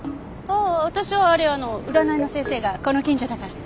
ああ私はあれ占いの先生がこの近所だから。